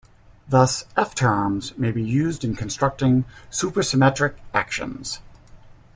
Thus F-terms may be used in constructing supersymmetric actions.